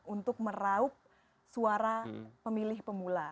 untuk meraup suara pemilih pemula